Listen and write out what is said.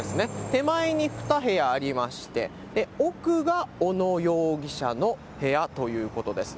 手前に２部屋ありまして、奥が小野容疑者の部屋ということです。